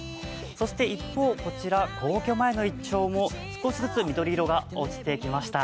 そして一方、皇居前のイチョウも少しずつ緑色が落ちてきました。